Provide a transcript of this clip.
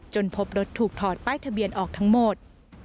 พบรถถูกถอดป้ายทะเบียนออกทั้งหมด